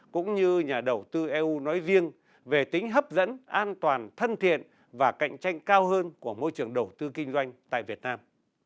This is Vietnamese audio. cũng như nhà đầu tư eu nói riêng về tính hấp dẫn an toàn thân thiện và cạnh tranh cao hơn của môi trường đầu tư kinh doanh tại việt nam